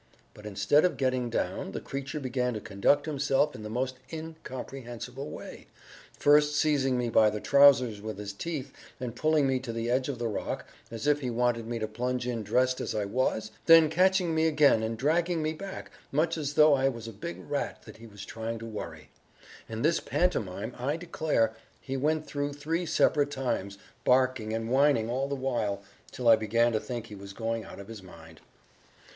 But, instead of getting down, the creature began to conduct himself in the most incomprehensible way, first seizing me by the trousers with his teeth and pulling me to the edge of the rock, as if he wanted me to plunge in dressed as I was; then catching me again and dragging me back, much as though I was a big rat that he was trying to worry; and this pantomime, I declare, he went through three separate times, barking and whining all the while, till I began to think he was going out of his mind.